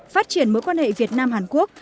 phát triển mối quan hệ việt nam hàn quốc